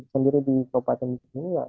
sendiri di kawasan ini ya